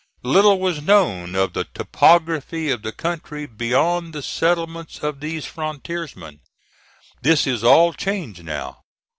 Little was known of the topography of the country beyond the settlements of these frontiersmen. This is all changed now.